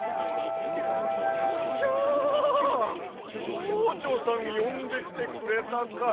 ちょうちょさんよんできてくれたかや。